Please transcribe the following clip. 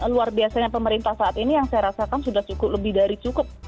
luar biasanya pemerintah saat ini yang saya rasakan sudah cukup lebih dari cukup